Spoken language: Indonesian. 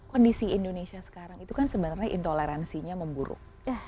kondisi indonesia sekarang itu kan sebenarnya intoleransinya memburuk